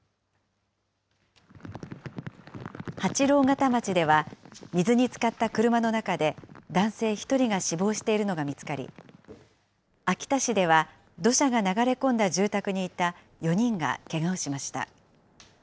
八郎潟町では、水につかった車の中で、男性１人が死亡しているのが見つかり、秋田市では、土砂が流れ込んだ住宅にいた４人がけがをしました。